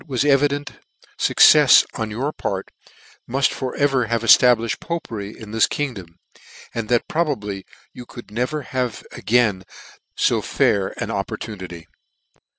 was evident, fuccefs on your part muft for ever have eftabh'fhed Popery in this kingdom, and that probably you could never have again fo fair an opportunity.